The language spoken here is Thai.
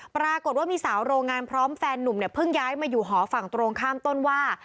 ปรากฏว่ามีสาวโรงงานพร้อมแฟนนุ่มเนี่ยเพิ่งย้ายมาอยู่หอฝั่งตรงข้ามต้นว่า